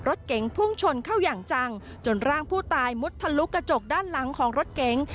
รถเก๋งพุ่งชนเข้าอย่างจังจนร่างผู้ตายมุดทะลุกระจกด้านหลังของรถเก๋ง